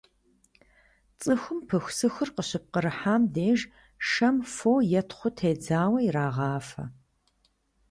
ЦӀыхум пыхусыхур къыщыпкърыхьам деж шэм фо е тхъу тедзауэ ирагъафэ.